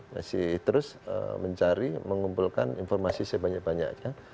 masih terus mencari mengumpulkan informasi sebanyak banyaknya